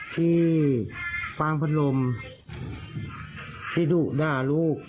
ที่ฟางพัดลมที่ดุด่าลูก